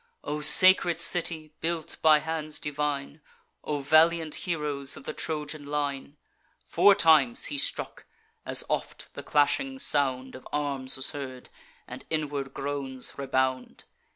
O sacred city, built by hands divine! O valiant heroes of the Trojan line! Four times he struck: as oft the clashing sound Of arms was heard, and inward groans rebound.